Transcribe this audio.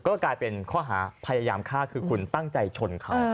ก็กลายเป็นข้อหาพยายามฆ่าคือคุณตั้งใจชนเขา